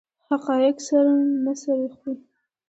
حقایق سر نه سره خوري.